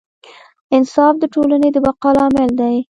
انصاف د ټولنې د بقا لامل دی.